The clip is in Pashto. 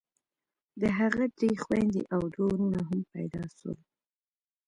د هغه درې خويندې او دوه ورونه هم پيدا سول.